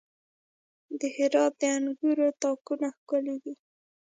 د هرات د انګورو تاکونه ښکلي دي.